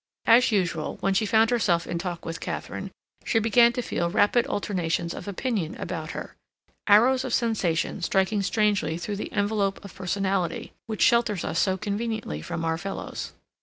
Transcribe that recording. As usual, when she found herself in talk with Katharine, she began to feel rapid alternations of opinion about her, arrows of sensation striking strangely through the envelope of personality, which shelters us so conveniently from our fellows.